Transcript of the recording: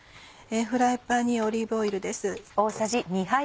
フライパンにオリーブオイルです。